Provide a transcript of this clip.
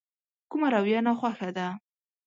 کومه رويه ناخوښه ده.